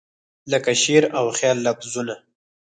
لکه شعر او خیال لفظونه